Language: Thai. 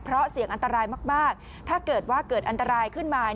เพราะเสี่ยงอันตรายมากถ้าเกิดว่าเกิดอันตรายขึ้นมา